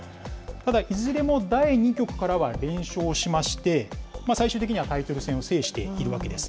ただいずれも第２局からは連勝しまして、最終的にはタイトル戦を制しているわけです。